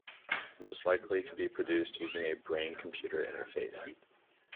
Most likely to be produced using a brain-computer interface.